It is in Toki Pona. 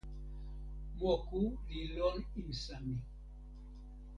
moku li lon insa mi.